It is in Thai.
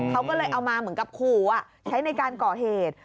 เขาก็เลยเอามาเหมือนกับขู่ใช้ในการก่อเหตุ